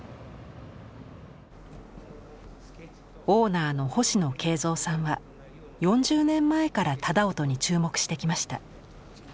オーナーの星野桂三さんは４０年前から楠音に注目してきました。